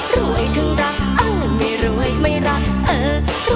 รวยถึงรักเอ้าไม่รวยไม่รักเออ